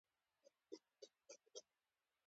د افغانستان کرومایټ ډیر ارزښت لري